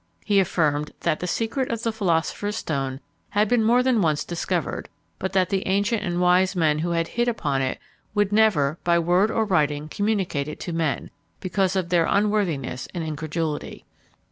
He affirmed, that the secret of the philosopher's stone had been more than once discovered; but that the ancient and wise men who had hit upon it would never, by word or writing, communicate it to men, because of their unworthiness and incredulity.